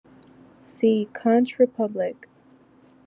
See: Conch Republic.